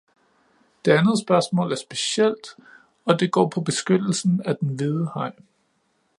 Det andet spørgsmål er specielt, og det går på beskyttelsen af den hvide haj.